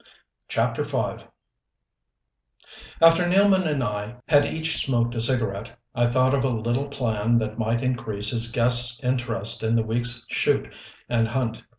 CHAPTER V After Nealman and I had each smoked a cigarette, I thought of a little plan that might increase his guest's interest in the week's shoot and hunt.